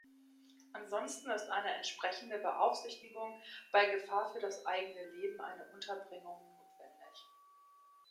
Ansonsten ist eine entsprechende Beaufsichtigung, bei Gefahr für das eigene Leben eine Unterbringung, notwendig.